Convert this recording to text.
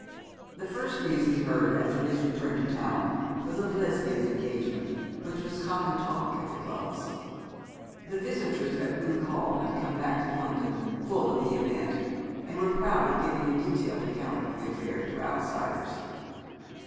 The first news he heard after his return to town was of Lesbia's engagement, which was common talk at the clubs. The visitors at Rood Hall had come back to London full of the event, and were proud of giving a detailed account of the affair to outsiders.